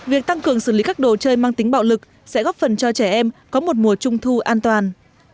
việc tăng cường xử lý các đồ chơi mang tính bạo lực sẽ góp phần cho trẻ em có một mùa trung thu an toàn